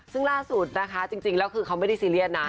ซึ่งล่าสุดนะคะจริงแล้วคือเขาไม่ได้ซีเรียสนะ